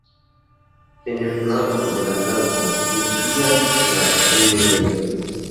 En flanko de la navo funkcias la enirejo.